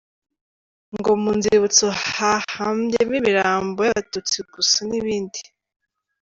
– Ngo mu nzibutso hahambyemo imirambo y’abatutsi gusa , n’ibindi